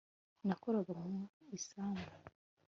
nakoraga mu isambu